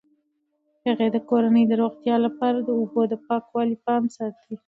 هغې د کورنۍ د روغتیا لپاره د اوبو د پاکوالي پام ساتي.